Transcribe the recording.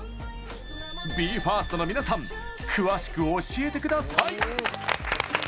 ＢＥ：ＦＩＲＳＴの皆さん詳しく教えてください！